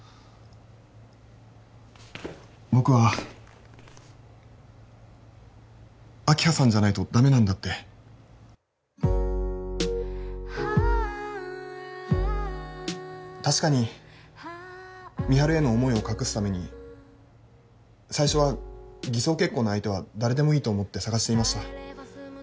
僕は明葉さんじゃないとダメなんだって確かに美晴への思いを隠すために最初は偽装結婚の相手は誰でもいいと思って探していました